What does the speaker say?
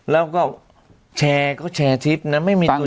แล้วก็แชร์ก็แชร์คลิปนะไม่มีตัว